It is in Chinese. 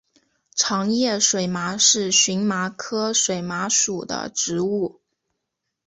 长叶水麻是荨麻科水麻属的植物。